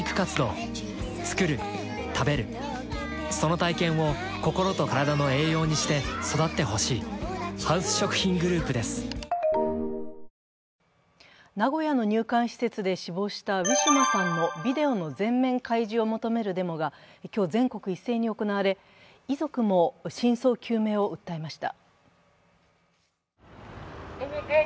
大谷はこの厳しい包囲網を破り、名古屋の入管施設で死亡したウィシュマさんのビデオの全面開示を求めるデモが今日全国一斉に行われ、遺族も真相究明を訴えました。